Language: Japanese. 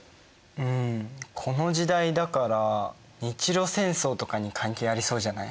うんこの時代だから日露戦争とかに関係ありそうじゃない？